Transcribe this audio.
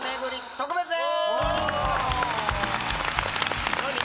特別編？